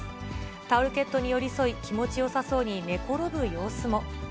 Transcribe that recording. タオルケットに寄り添い、気持ちよさそうに寝転ぶ様子も。